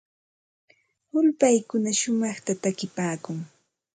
Ulpaykuna shumaqta takipaakun.